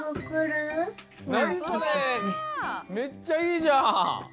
なにそれめっちゃいいじゃん！